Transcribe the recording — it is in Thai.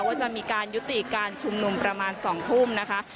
ว่าจะมีการยุติการชุมนุมประมาณ๒ทุ่มนะคะ